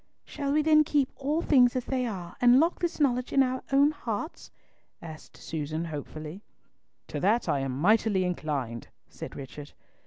"Shall we then keep all things as they are, and lock this knowledge in our own hearts?" asked Susan hopefully. "To that am I mightily inclined," said Richard.